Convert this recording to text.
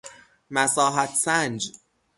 مساحت سنج